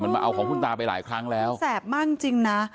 มันมาเอาของคุณตาไปหลายครั้งแล้วแสบมากจริงนะ